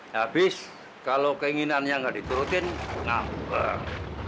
habis kalau keinginannya gak diturutin ngambek